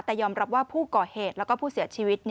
แต่ยอมรับว่าผู้ก่อเหตุและผู้เสียชีวิต